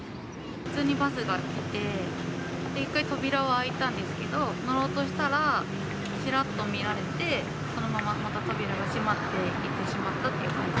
普通にバスが来て、一回扉は開いたんですけど、乗ろうとしたら、ちらっと見られて、そのまままた扉が閉まって行ってしまったっていう感じ。